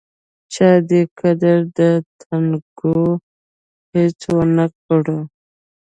چا دې قدر د تڼاکو هیڅ ونکړ